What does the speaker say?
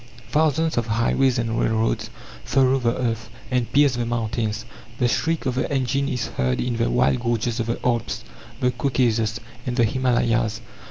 Thousands of highways and railroads furrow the earth, and pierce the mountains. The shriek of the engine is heard in the wild gorges of the Alps, the Caucasus, and the Himalayas.